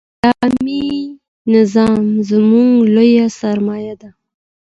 اسلامي نظام زموږ لویه سرمایه ده.